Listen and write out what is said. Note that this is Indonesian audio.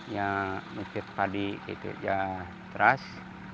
ya nipit padi gitu ya teras